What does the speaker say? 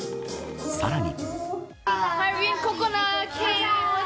さらに。